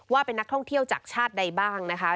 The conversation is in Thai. ว่าเป็นนักท่องเที่ยวจากชาติใดบ้างนะคะ